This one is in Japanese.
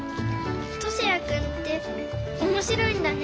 トシヤくんっておもしろいんだね。